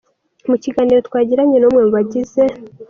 Mu kiganiro twagiranye numwe mu bagize.